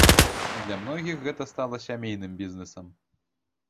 Для многіх гэта стала сямейным бізнэсам.